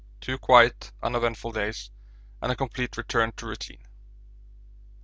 Two quiet, uneventful days and a complete return to routine.